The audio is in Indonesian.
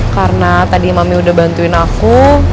karena tadi mami udah bantuin aku